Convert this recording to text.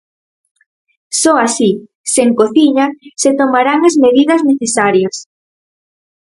Só así, sen cociña, se tomarán as medidas necesarias.